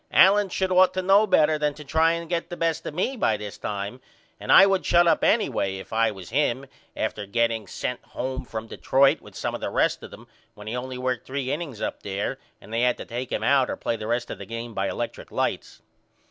Allen should ought to know better than to try and get the best of me by this time and I would shut up anyway if I was him after getting sent home from Detroit with some of the rest of them when he only worked 3 innings up there and they had to take him out or play the rest of the game by electrick lights.